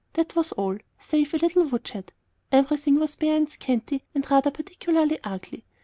That was all, save a little woodshed. Everything was bare and scanty and rather particularly ugly.